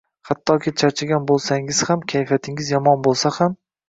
Hattoki charchagan bo‘lsangiz ham, kayfiyatingiz yomon bo‘lsa ham.